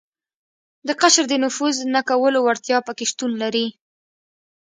د قشر د نفوذ نه کولو وړتیا په کې شتون لري.